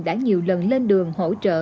đã nhiều lần lên đường hỗ trợ